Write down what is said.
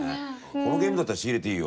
このゲームだったら仕入れていいよ。